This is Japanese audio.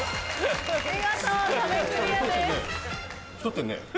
見事壁クリアです。